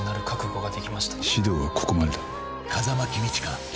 指導はここまでだ。